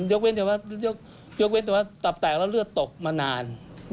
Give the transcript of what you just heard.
ยกเว้นแต่ว่าตับแตกแล้วเลือดตกมานาน